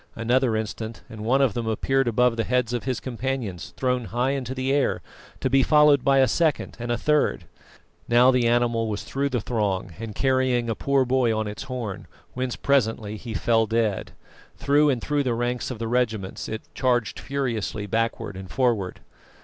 Another instant, and one of them appeared above the heads of his companions, thrown high into the air, to be followed by a second and a third. Now the animal was through the throng and carrying a poor boy on its horn, whence presently he fell dead; through and through the ranks of the regiments it charged furiously backward and forward.